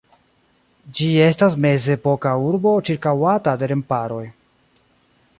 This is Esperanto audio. Ĝi estas mezepoka urbo ĉirkaŭata de remparoj.